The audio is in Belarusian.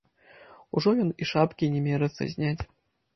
Ужо ён і шапкі не мерыцца зняць!